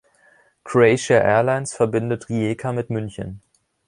Croatia Airlines verbindet Rijeka mit München.